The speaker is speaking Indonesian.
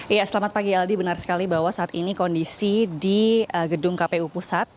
iya selamat pagi aldi benar sekali bahwa saat ini kondisi di gedung kpu pusat